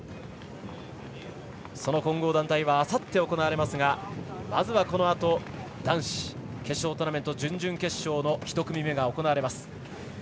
その混合団体はあさって行われますがまずはこのあと男子決勝トーナメント準々決勝の１組目が行われます。